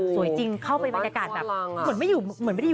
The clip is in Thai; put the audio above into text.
สวยจริงเข้าไปบรรยากาศเหมือนไม่ได้อยู่เมืองไทย